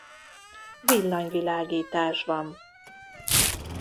Villanyvilágítás van.